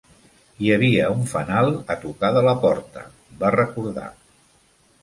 Hi havia un fanal a tocar de la porta, va recordar.